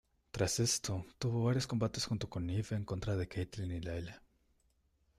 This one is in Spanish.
Tras esto, tuvo varios combates junto con Eve en contra de Kaitlyn y Layla.